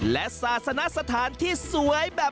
และศาสนสถานที่สวยแบบ